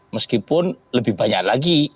meskipun lebih banyak lagi